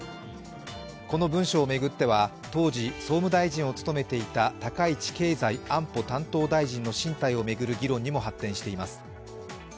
この文書を巡っては、当時、総務大臣を務めていた高市経済安保担当大臣の進退を巡る議論にも発展しています。